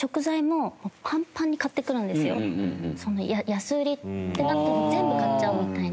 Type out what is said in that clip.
「安売り」ってなってるの全部買っちゃうみたいな。